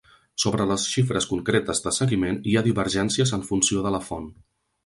Sobre les xifres concretes de seguiment, hi ha divergències en funció de la font.